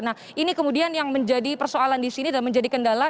nah ini kemudian yang menjadi persoalan di sini dan menjadi kendala